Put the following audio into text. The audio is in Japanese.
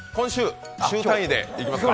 週単位でいきますか？